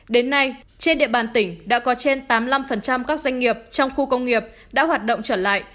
đến nay trên địa bàn tỉnh đã có trên tám mươi năm các doanh nghiệp trong khu công nghiệp đã hoạt động trở lại